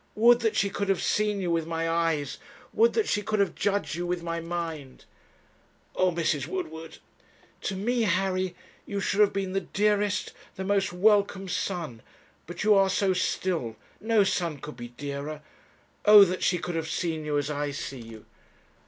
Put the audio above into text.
Would that she could have seen you with my eyes; would that she could have judged you with my mind!' 'Oh, Mrs. Woodward!' 'To me, Harry, you should have been the dearest, the most welcome son. But you are so still. No son could be dearer. Oh, that she could have seen you as I see you!'